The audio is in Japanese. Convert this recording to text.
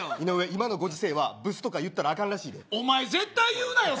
今のご時世はブスとか言ったらアカンらしいでお前絶対言うなよ